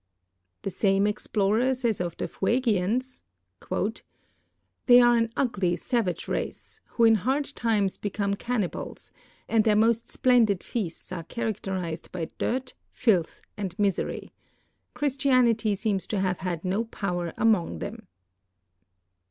The same explorer saj^s of tlie Fuegians: "They are an uglv. savage race, who in hard times become cannibals, and their most si^lendid feasts are characterized liy dirt, filth, and misery. Christianity seems to have had no power among them."